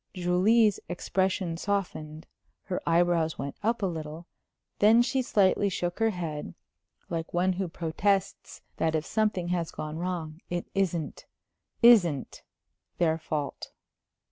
Julie's expression softened; her eyebrows went up a little; then she slightly shook her head, like one who protests that if something has gone wrong, it isn't isn't their fault.